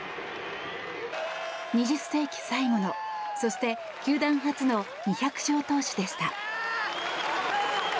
２０世紀最後の、そして球団初の２００勝投手でした。